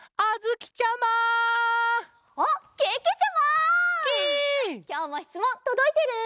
きょうもしつもんとどいてる？